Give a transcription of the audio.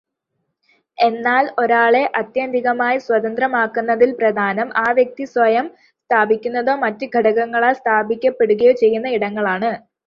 എന്നാൽ ഒരാളെ ആത്യന്തികമായി സ്വതന്ത്രമാക്കുന്നതിൽ പ്രധാനം ആ വ്യക്തി സ്വയം സ്ഥാപിക്കുന്നതോ മറ്റു ഘടകങ്ങളാൽ സ്ഥാപിക്കപ്പെടുകയോ ചെയ്യുന്ന ഇടങ്ങളാണ്.